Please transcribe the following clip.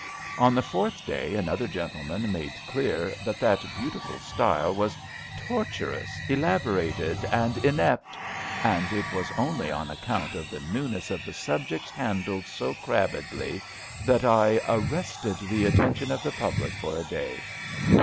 On the fourth day another gentle man made clear that that beautiful style was tortuous, elaborated and inept," and it was only on account of the ^' newness of the subjects handled so crabbedly " that I ^^ arrested the atten tion of the public for a day.